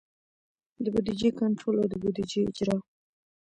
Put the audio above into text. د بودیجې کنټرول او د بودیجې اجرا.